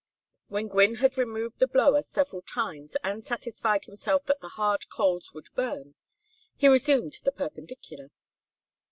When Gwynne had removed the blower several times and satisfied himself that the hard coals would burn, he resumed the perpendicular.